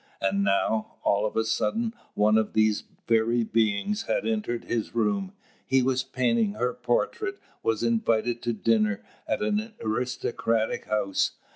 And now, all of a sudden, one of these very beings had entered his room; he was painting her portrait, was invited to dinner at an aristocratic house.